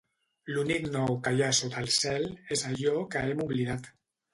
L'únic nou que hi ha sota el cel és allò que hem oblidat.